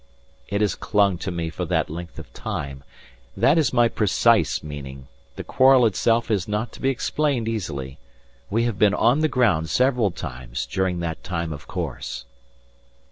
"It has clung to me for that length of time. That is my precise meaning. The quarrel itself is not to be explained easily. We have been on the ground several times during that time of course."